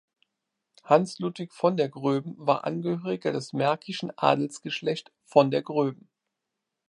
Hans Ludwig von der Groeben war Angehöriger des märkischen Adelsgeschlecht von der Groeben.